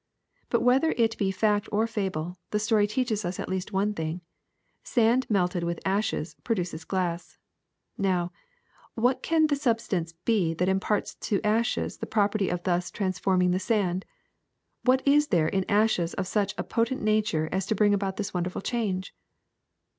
But whether it be fact or fable, the story teaches us at least one thing : sand melted with ashes produces glass. Now, what can the substance be that imparts to ashes the property of thus transforming the sandf What is there in ashes of such a potent nature as to bring about this wonderful change